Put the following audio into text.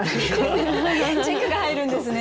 チェックが入るんですね。